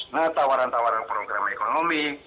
nah tawaran tawaran program ekonomi